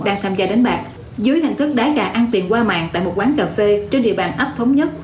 đang tham gia đánh bạc dưới hình thức đá gà ăn tiền qua mạng tại một quán cà phê trên địa bàn ấp thống nhất